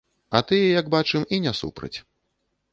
А тыя, як бачым, і не супраць.